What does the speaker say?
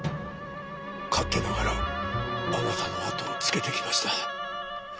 勝手ながらあなたの後をつけてきました。